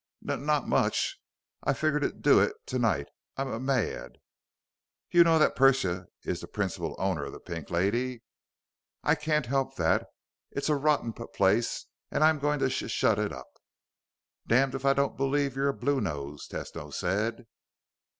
"N not much. I figure to d do it tonight. I'm m m mad." "You know that Persia is the principal owner of the Pink Lady?" "I can't help that. It's a rotten p place and I'm going to sh shut it up." "Damned if I don't believe you're a bluenose," Tesno said.